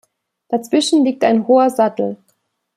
Dazwischen liegt ein hoher Sattel.